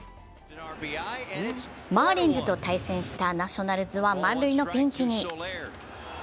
マーリンズと対戦したナショナルズは満塁のピンチに。